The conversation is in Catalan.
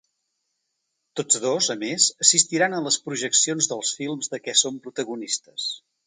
Tots dos, a més, assistiran a les projeccions dels films de què són protagonistes.